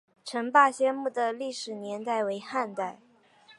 陈霸先墓的历史年代为汉代。